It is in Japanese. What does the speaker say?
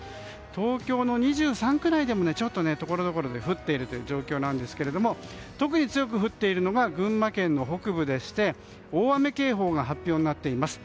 東京の２３区内でもちょっとところどころで降っている状況ですが特に強く降っているのが群馬県の北部でして大雨警報が発表になっています。